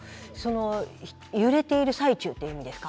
揺れている最中という意味ですか？